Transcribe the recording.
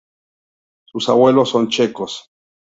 Sus abuelos son checos.